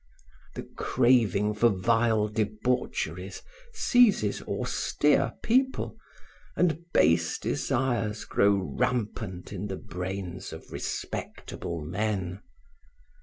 The craving for vile debaucheries seizes austere people and base desires grow rampant in the brains of respectable men.